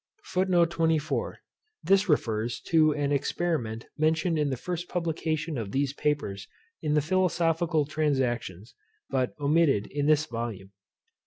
This refers, to an experiment mentioned in the first publication of these papers in the Philosophical Transactions, but omitted in this volume.